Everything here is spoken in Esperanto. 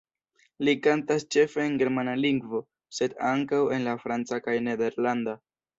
Li kantas ĉefe en germana lingvo, sed ankaŭ en la franca kaj nederlanda.